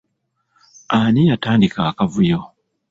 Ani yatandika akavuyo?